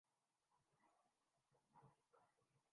ان ہنرمندوں کو جن کی یہ اختراع ہے۔